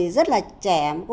để ta nhảy qua